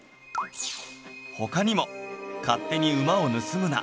他にも「勝手に馬を盗むな」